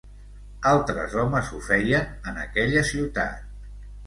Altres homes ho feien en aquella ciutat.